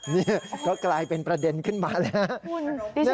นี่ก็กลายเป็นประเด็นขึ้นมาแล้ว